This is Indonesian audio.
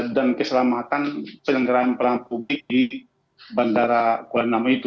dan keselamatan penyelenggaraan perang publik di bandara kuala namu itu